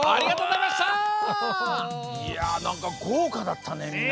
いやなんかごうかだったね。